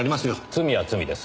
罪は罪です。